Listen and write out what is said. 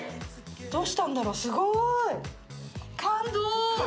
どうしたんだろうすごい感動！